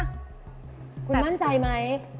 คุณมั่นใจไหม